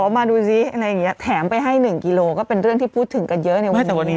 มาดูซิแถมไปให้๑กิโลก็เป็นเรื่องที่พูดถึงกันเยอะในวันนี้